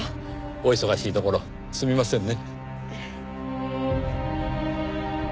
お忙しいところすみませんね。